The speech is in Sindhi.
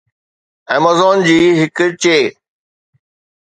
Amazon جي هڪ چي